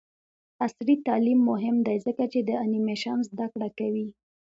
عصري تعلیم مهم دی ځکه چې د انیمیشن زدکړه کوي.